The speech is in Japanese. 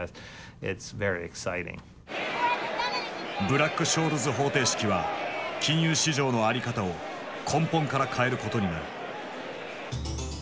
ブラック・ショールズ方程式は金融市場の在り方を根本から変えることになる。